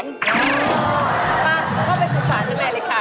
มาเข้าไปสุพันธุ์นี่แม่เลยค่ะ